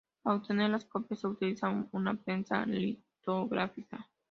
Para obtener las copias se utiliza una prensa litográfica.